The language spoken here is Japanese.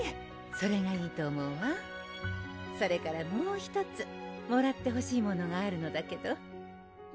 それがいいと思うわそれからもう１つもらってほしいものがあるのだけど